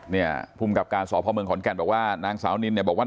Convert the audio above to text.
นี่ภูมิกับการสอบภาพเมืองขอนแก่นนางสาวนินบอกว่า